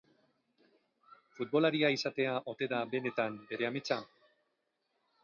Futbolaria izatea ote da benetan bere ametsa?